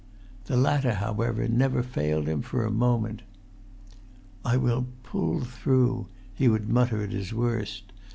The latter, however, never failed him for a moment. "I will pull through," he would mutter at his worst.